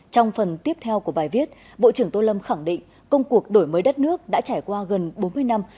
trong phần tiếp theo của bài viết bộ trưởng tô lâm khẳng định công cuộc đổi mới đất nước đã trải qua gần bốn mươi năm